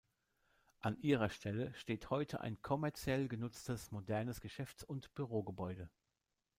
An ihrer Stelle steht heute ein kommerziell genutztes modernes Geschäfts- und Bürogebäude.